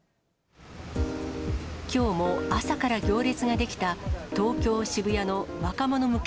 きょうも朝から行列が出来た、東京・渋谷の若者向け